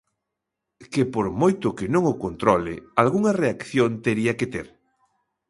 Que por moito que non o controle, algunha reacción tería que ter.